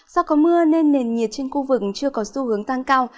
do có mưa nên nền nhiệt trên khu vực chưa có xu hướng tăng cao